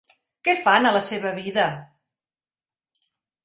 Què fan a la seva vida?